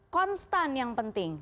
konstan yang penting